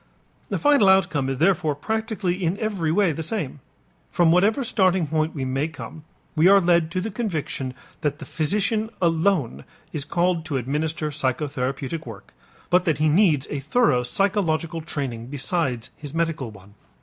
The final outcome is therefore practically in every way the same. From whatever starting point we may come, we are led to the conviction that the physician alone is called to administer psychotherapeutic work, but that he needs a thorough psychological training besides his medical one.